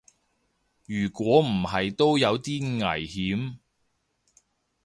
如果唔係都有啲危險